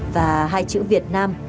và hai chữ việt nam